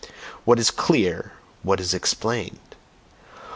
What is clear, what is "explained"?